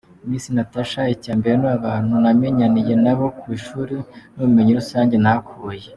Miss Natacha : Icya mbere ni abantu namenyaniye nabo ku ishuri, n’ubumenyi rusange nahakuye.